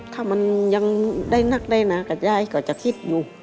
ถ้ามันยังได้นักได้หนากับยายก็จะคิดอยู่